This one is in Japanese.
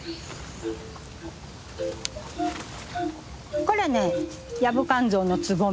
これねヤブカンゾウのつぼみ。